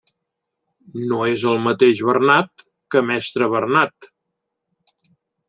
No és el mateix Bernat que mestre Bernat.